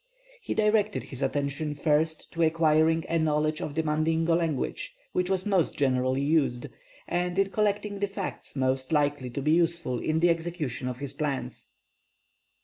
He directed his attention first to acquiring a knowledge of the Mandingo language, which was most generally used, and in collecting the facts most likely to be useful in the execution of his plans.